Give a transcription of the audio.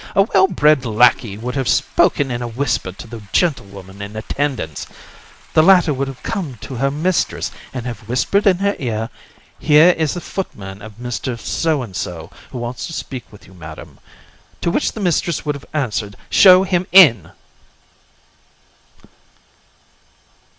A well bred lackey would have spoken in a whisper to the gentlewoman in attendance; the latter would have come to her mistress and have whispered in her ear: "Here is the footman of Mr. So and so, who wants to speak to you, Madam." To which the mistress would have answered, "Show him in."